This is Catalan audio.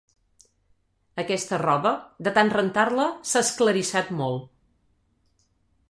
Aquesta roba, de tant rentar-la, s'ha esclarissat molt.